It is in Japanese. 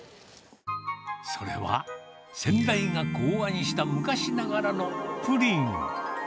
それは、先代が考案した昔ながらのプリン。